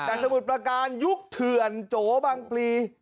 แต่สมุทรประการยุคเถื่อนโจบังปลี